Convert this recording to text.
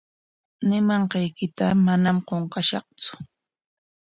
Ñimanqaykitaqa manam qunqashaqtsu.